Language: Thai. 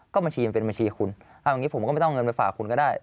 ก็บัญชีมันเป็นบัญชีคุณเอาอย่างนี้ผมก็ไม่ต้องเอาเงินไปฝากคุณก็ได้